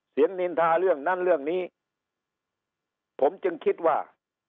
นินทาเรื่องนั้นเรื่องนี้ผมจึงคิดว่า